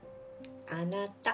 あなた。